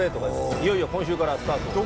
いよいよ今週からスタートです。